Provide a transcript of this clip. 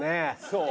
そう。